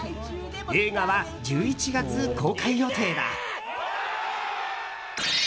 映画は１１月公開予定だ。